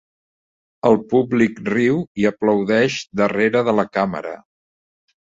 El públic riu i aplaudeix darrere de la càmera.